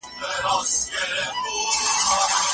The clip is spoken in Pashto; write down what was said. د ټولنيز عدالت د تامين لپاره پرله پسې هڅې روانې دي.